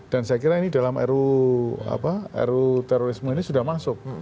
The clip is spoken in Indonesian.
dan saya kira ini dalam era terorisme ini sudah masuk